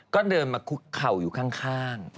ก็เดินมาคุกเข่าอยู่ข้าง